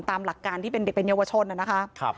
ตามหลักการที่เป็นเด็กเป็นเยาวชนนะคะ